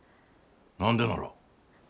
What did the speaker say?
何でなら。